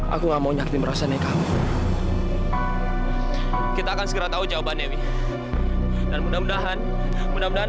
aku nggak mau nyakti merasakan kita akan segera tahu jawabannya dan mudah mudahan mudah mudahan